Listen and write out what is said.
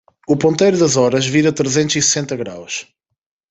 O ponteiro das horas vira trezentos e sessenta graus